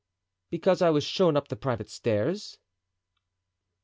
"Because I was shown up the private stairs."